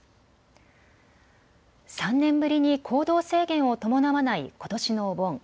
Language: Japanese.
３年ぶりに行動制限を伴わないことしのお盆。